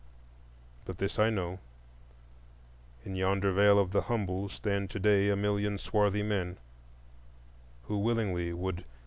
But this I know: in yonder Vale of the Humble stand to day a million swarthy men, who willingly would